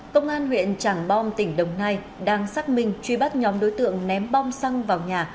công an huyện tràng bom tỉnh đồng nai đang xác minh truy bắt nhóm đối tượng ném bom xăng vào nhà